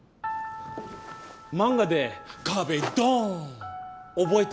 漫画で壁ドーン覚えた。